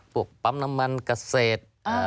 พวกปั๊มน้ำมันกระเศษ